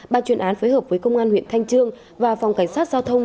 ban chuyên án phối hợp với công an huyện thanh trương và phòng cảnh sát giao thông